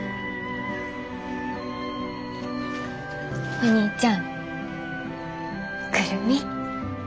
お兄ちゃん久留美